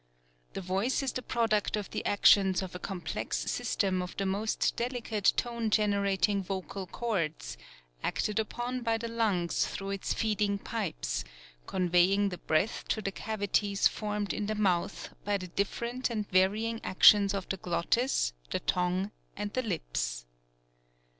The voice is the product of the actions of a com plex system of the most delicate tone generating vocal cords, acted upon by the lungs through its feeding pipes, conveying the breath to the cavities formed in the mouth by the different and varying actions of the glottis, the tongue and the lips.